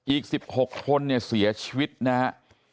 อีก๑๖คนเนี่ยเสียชีวิตนะฮะ